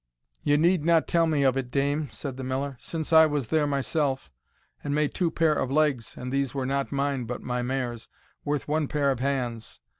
"Ye need not tell me of it, dame," said the Miller, "since I was there myself, and made two pair of legs (and these were not mine, but my mare's,) worth one pair of hands.